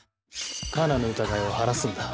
カナの疑いを晴らすんだ。